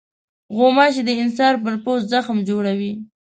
غوماشې د انسان پر پوست زخم جوړوي.